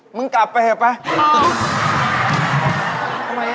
มึงกลับไปเลยแบบนั้น